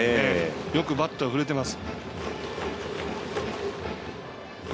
よくバットが振れています。